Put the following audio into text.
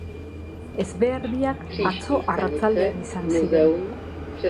Ezbehar biak atzo arratsaldean izan ziren.